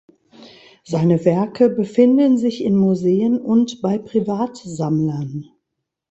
Seine Werke befinden sich in Museen und bei Privatsammlern.